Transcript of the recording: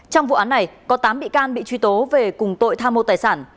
trong vụ án này có tám bị can bị truy tố về cùng tội tham mô tài sản